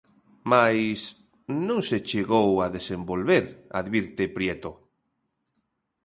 Mais non se chegou a desenvolver, advirte Prieto.